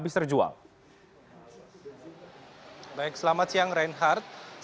selamat siang reinhardt